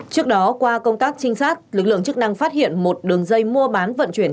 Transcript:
trước đó qua công tác trinh sát lực lượng chức năng phát hiện một đường dây mua bán vận chuyển